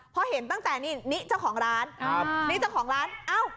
เพราะเห็นตั้งแต่นี่นี่เจ้าของร้าน